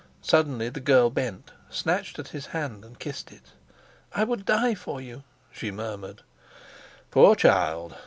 Suddenly the girl bent, snatched at his hand and kissed it. "I would die for you," she murmured. "Poor child!"